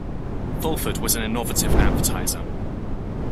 Fulford was an innovative advertiser.